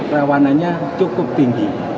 rawanannya cukup tinggi